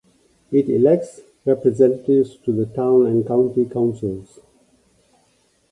It elects representatives to the town and county councils.